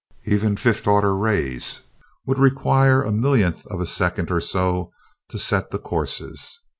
Even fifth order rays would require a millionth of a second or so to set the courses.